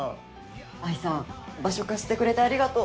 愛さん場所貸してくれてありがとう。